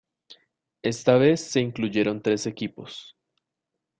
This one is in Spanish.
Esta vez se incluyeron tres equipos.